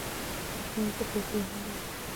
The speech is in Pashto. تشناب مو په کور کې دننه دی؟